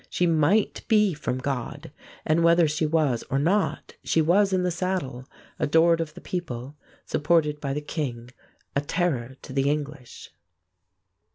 She might be from God, and whether she was or not she was in the saddle, adored of the people, supported by the king, a terror to the English.